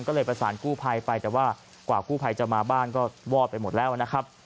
ก็เลยประสานกู้ภัยไปแต่ว่ากว่ากู้ภัยจะมาบ้านก็วอดไปหมดแล้วนะครับ